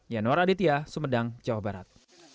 yanuar aditya sumedang jawa barat